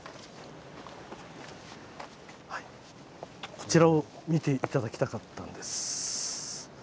こちらを見て頂きたかったんです。